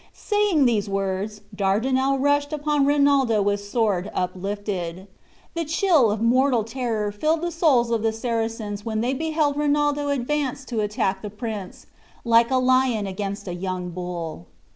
Saying these words, Dardinel rushed upon Rinaldo with sword uplifted. The chill of mortal terror filled the souls of the Saracens when they beheld Rinaldo advance to attack the prince, like a lion against a young bull.